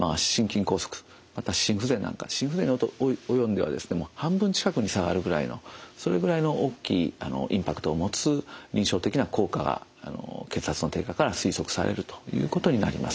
心不全に及んでは半分近くに下がるぐらいのそれぐらいの大きいインパクトを持つ臨床的な効果が血圧の低下から推測されるということになります。